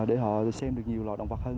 để họ xem được nhiều loài động vật hơn